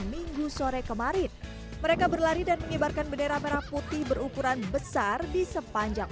minggu sore kemarin mereka berlari dan mengibarkan bendera merah putih berukuran besar di sepanjang